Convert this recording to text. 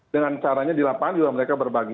dengan caranya dilapang juga mereka berbagi